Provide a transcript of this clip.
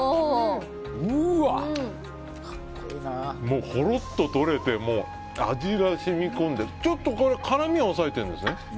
もう、ほろっと取れて味が染み込んでちょっと辛みは抑えてるんですね。